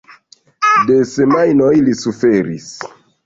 De semajnoj li suferis.